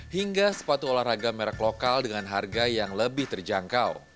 hingga sepatu olahraga merek lokal dengan harga yang lebih terjangkau